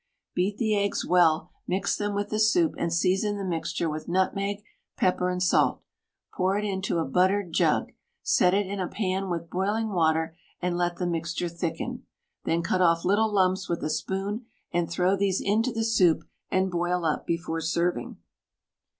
Beat the eggs well, mix them with the soup, and season the mixture with nutmeg, pepper, and salt. Pour it into a buttered jug; set it in a pan with boiling water, and let the mixture thicken. Then cut off little lumps with a spoon, and throw these into the soup and boil up before serving.